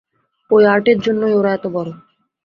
ঐ আর্টের জন্যই ওরা এত বড়।